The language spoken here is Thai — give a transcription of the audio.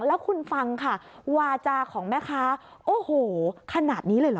แล้วคุณฟังค่ะวาจาของแม่ค้าโอ้โหขนาดนี้เลยเหรอ